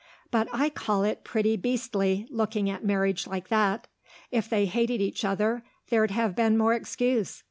But I call it pretty beastly, looking at marriage like that. If they'd hated each other there'd have been more excuse.